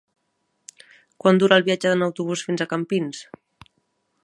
Quant dura el viatge en autobús fins a Campins?